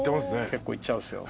結構いっちゃうんすよ。